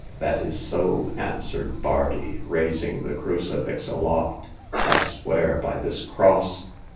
" That is so," answered Bardi, raising the cru cifix aloft. " I swear by this cross.